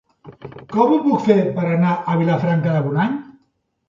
Com ho puc fer per anar a Vilafranca de Bonany?